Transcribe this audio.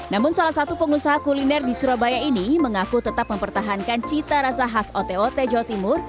namun salah satu pengusaha kuliner di surabaya ini mengaku tetap mempertahankan cita rasa khas ote ote jawa timur